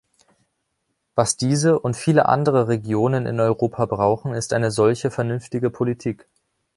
Was diese und viele andere Regionen in Europa brauchen, ist eine solche vernünftige Politik.